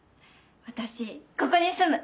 私ここに住む！